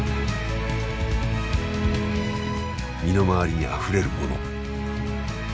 身の回りにあふれるもの。